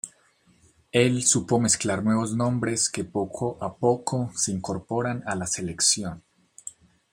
Él supo mezclar nuevos nombres que poco a poco se incorporan a la selección.